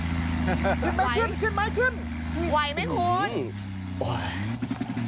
ขึ้นไม่ขึ้น